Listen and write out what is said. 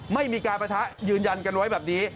ไม่มีการประทะยืนยันกันไว้แบบนี้